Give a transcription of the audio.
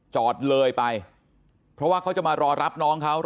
จอดเลยไปเพราะว่าเขาจะมารอรับน้องเขา